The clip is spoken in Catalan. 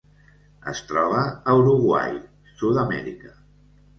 Es troba a Uruguai, Sud-amèrica.